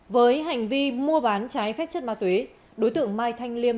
với hành vi mua bán trái phép chất ma túy đối tượng mai thanh liêm